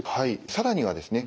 更にはですね